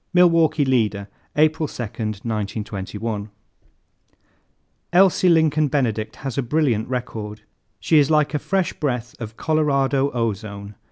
Milwaukee Leader, April 2, 1921. "Elsie Lincoln Benedict has a brilliant record. She is like a fresh breath of Colorado ozone.